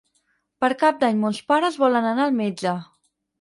Per Cap d'Any mons pares volen anar al metge.